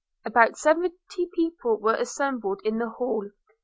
About seventy people were assembled in the hall.